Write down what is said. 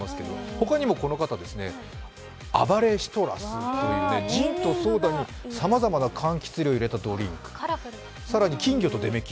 他にもこの方、あばれシトラスといって、ジンとソーダにさまざまな柑橘類を入れたもの、更に金魚と出目金。